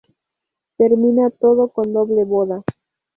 Termina todo con doble boda.